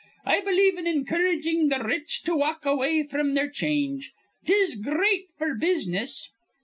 I believe in encouragin' th' rich to walk away fr'm their change. 'Tis gr reat f'r business."